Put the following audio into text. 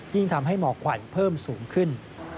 ยิ่งทำให้หมอกควันเพิ่มสูงขึ้น